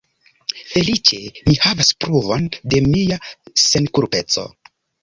Feliĉe mi havas pruvon de mia senkulpeco.